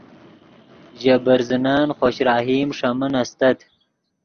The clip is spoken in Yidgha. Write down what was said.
ژے برزنن خوش رحیم ݰے من استت